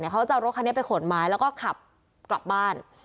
เขาจะเอารถคันนี้ไปขนไม้แล้วก็ขับกลับบ้าน